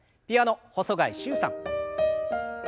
ピアノ細貝柊さん。